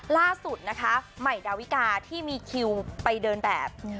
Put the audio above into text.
ล่าสุดนะคะใหม่ดาวิกาที่มีคิวไปเดินแบบ